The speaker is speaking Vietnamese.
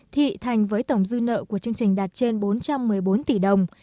thị thành với tổng dư nợ của chương trình đạt trên bốn trăm một mươi bốn tỷ đồng